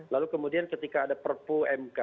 lalu kemudian ketika ada perpu mk